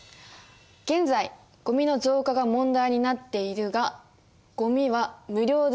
「現在ゴミの増加が問題になっているがゴミは無料でいいのだろうか。